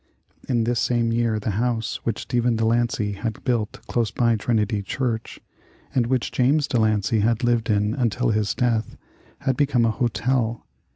] In this same year the house which Stephen De Lancey had built close by Trinity Church, and which James De Lancey had lived in until his death, had become a hotel.